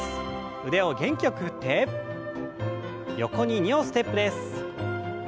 腕を元気よく振って横に２歩ステップです。